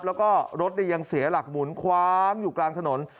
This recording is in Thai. แล้วก็รถยังเสียหลักหมุนคว้างอยู่กลางถนน